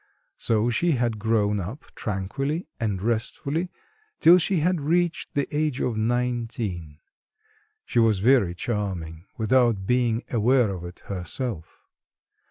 So she had grown up tranquilly and restfully till she had reached the age of nineteen. She was very charming, without being aware of it herself.